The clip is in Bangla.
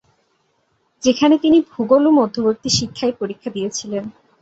যেখানে তিনি ভূগোল ও মধ্যবর্তী শিক্ষায় পরীক্ষা দিয়েছিলেন।